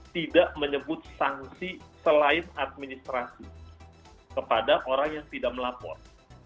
tidak menyebut sanksi selain administrasi kepada orang yang tidak melapor